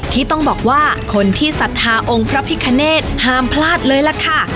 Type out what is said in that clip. ที่ต้องบอกว่าคนที่ศรัทธาองค์พระพิคเนตห้ามพลาดเลยล่ะค่ะ